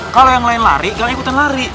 kalau yang lain lari gak ikutan lari